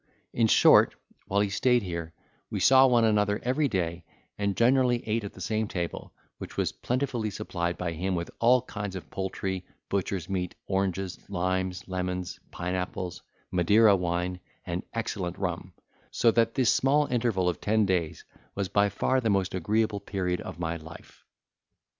In short, while he stayed here, we saw one another every day, and generally ate at the same table, which was plentifully supplied by him with all kinds of poultry, butcher's meat, oranges, limes, lemons, pine apples, Madeira wine, and excellent rum; so that this small interval of ten days was by far the most agreeable period of my life.